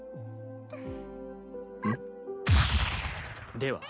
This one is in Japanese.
では。